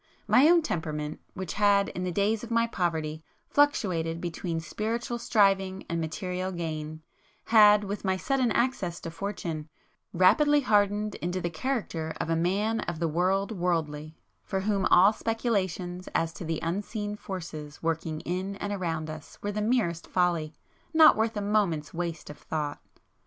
My own temperament, which had, in the days of my poverty, fluctuated between spiritual striving and material gain, had, with my sudden access to fortune, rapidly hardened into the character of a man of the world worldly, for whom all speculations as to the unseen forces working in and around us, were the merest folly, not worth a moment's waste of thought.